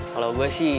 kalau gue sih